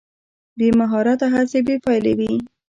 بې مهارته هڅه بې پایلې وي.